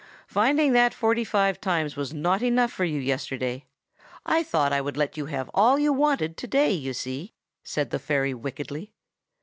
"'Finding that forty five times was not enough for you yesterday, I thought I would let you have all you wanted to day, you see,' said the fairy wickedly.